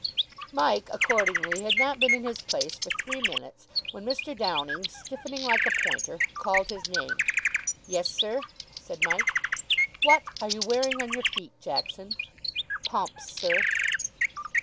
Mike, accordingly, had not been in his place for three minutes when Mr. Downing, stiffening like a pointer, called his name. "Yes, sir?" said Mike. "What are you wearing on your feet, Jackson?" "Pumps, sir."